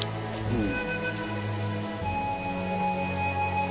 うん。